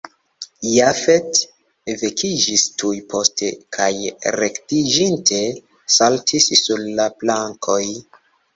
Jafet vekiĝis tuj poste kaj rektiĝinte saltis sur la plankon.